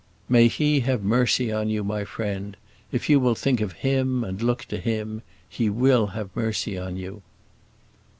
"May He have mercy on you, my friend! if you will think of Him, and look to Him, He will have mercy on you."